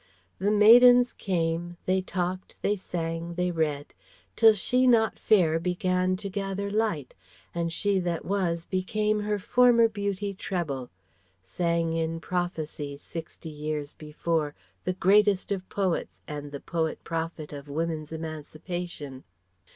"The maidens came, they talked, they sang, they read; till she not fair began to gather light, and she that was became her former beauty treble" sang in prophecy, sixty years before, the greatest of poets and the poet prophet of Woman's Emancipation.